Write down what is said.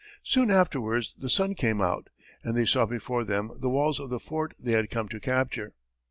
Soon afterwards the sun came out, and they saw before them the walls of the fort they had come to capture.